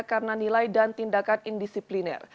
karena nilai dan tindakan indisipliner